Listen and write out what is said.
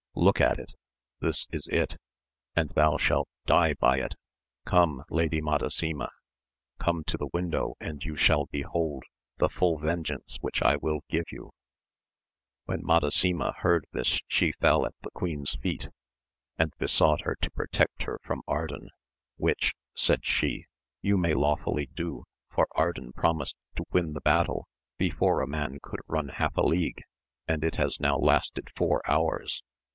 Look at it ! this is it, and thou shalt die by it. Gome, Lady Madasima ! come to the window, and you shall behold the full vengeance which I will give you ! When Madasima heard this she fell at the queen's feet, and besought her to protect her from Ardan, which, said she, you may lawfully do, for Ardan promised to win the battle before a man could xim half a league, and it has now lasted four hours.